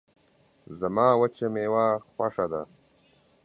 زما وچه میوه خوشه ده